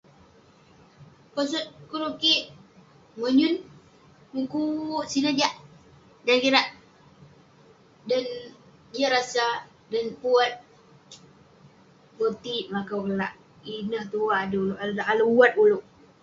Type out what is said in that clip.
Posot koluk kik, monyun. Mukuk sineh jak. Dan kirak- dan jiak rasa, dan pun wat, boti'ik melakau kelak. Ineh tue adui ulouk, ale'erk wat ulouk.